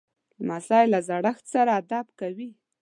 لمسی له زړښت سره ادب کوي.